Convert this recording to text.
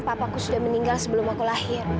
papaku sudah meninggal sebelum aku lahir